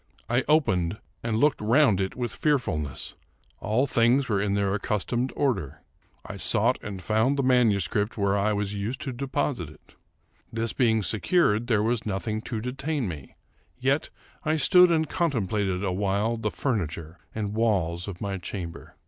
I opened and looked round it with fearfulness. All things were in their accustomed 280 Charles Brockden Brown order. I sought and found the manuscript where I was used to deposit it. This being secured, there was nothing to detain me ; yet I stood and contemplated awhile the furniture and walls of my chamber.